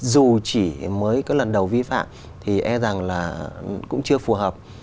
dù chỉ mới có lần đầu vi phạm thì e rằng là cũng chưa phù hợp